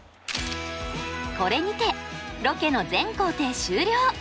これにてロケの全行程終了。